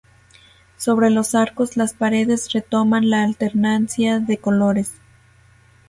Sobre los arcos las paredes retoman la alternancia de colores.